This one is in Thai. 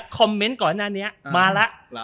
คอมเมนท์ก่อนนั้นเนี่ยมาละ